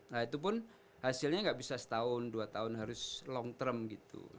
nah itu pun hasilnya nggak bisa setahun dua tahun harus long term gitu